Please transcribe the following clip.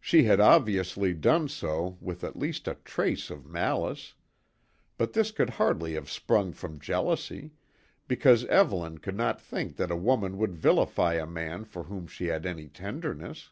She had obviously done so with at least a trace of malice; but this could hardly have sprung from jealousy, because Evelyn could not think that a woman would vilify a man for whom she had any tenderness.